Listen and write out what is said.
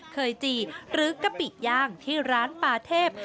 เคยจีหรือกะปิย่างที่ร้านปาเทพ